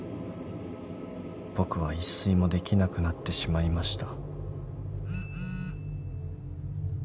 ［僕は一睡もできなくなってしまいました］